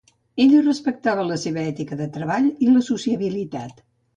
Ella respectava la seva ètica de treball i la sociabilitat.